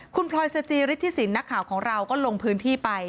คุณพลอยสจิฤทธิสินนักข่าวของเราก็ลงพื้นที่ไป